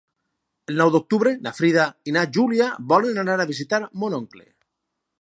El nou d'octubre na Frida i na Júlia volen anar a visitar mon oncle.